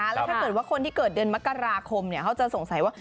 แล้วถ้าเกิดว่าคนที่เกิดเดือนมกราคมเขาจะสงสัยว่า